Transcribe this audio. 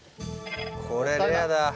これやだ。